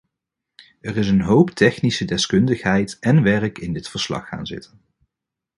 Er is een hoop technische deskundigheid en werk in dit verslag gaan zitten.